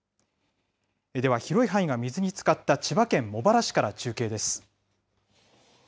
では、広い範囲が水につかった千葉県茂原市から中継です。